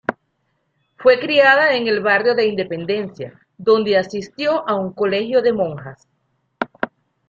Fue criada en el barrio de Independencia, donde asistió a un colegio de monjas.